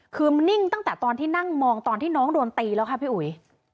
คือนิ่งตั้งแต่ตอนที่นั่งมองตอนที่น้องโดนตีแล้วค่ะพี่อุ๋ย